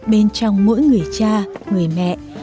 bên trong mỗi người cha người mẹ